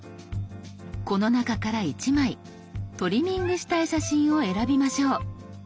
この中から１枚トリミングしたい写真を選びましょう。